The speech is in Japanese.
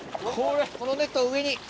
このネットを上に。